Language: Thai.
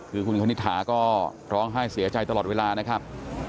คือคุณคณิตหาก็ร้องไห้เสียใจตลอดเวลานะครับ